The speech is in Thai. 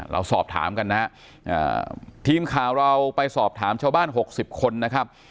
เราสอบถามกันนะฮะทีมข่าวเราไปสอบถามชาวบ้าน๖๐คนนะครับ